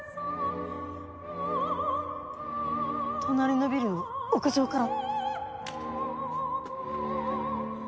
隣のビルの屋上から。